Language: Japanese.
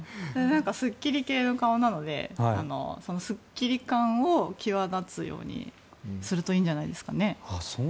すっきり系の顔なのですっきり感を際立つようにするといいんじゃないですかね。